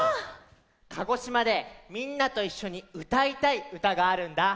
鹿児島でみんなといっしょにうたいたいうたがあるんだ。